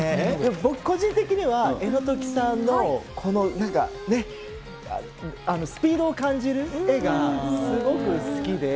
僕個人的には、江野兎季さんのこのなんかね、スピードを感じる絵がすごく好きで。